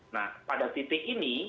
nah pada titik ini